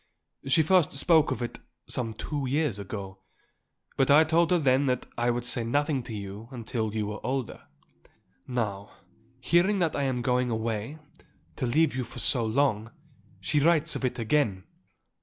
She first spoke of it some two years ago; but I told her then that I would say nothing to you till you were older. Now, hearing that I am going away, to leave you for so long, she writes of it again.